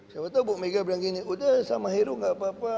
siapa tahu bu mega bilang gini udah sama heru gak apa apa